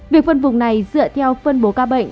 việc phân vùng này dựa theo phân bố ca bệnh